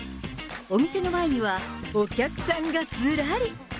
お店の前にはお客さんがずらり。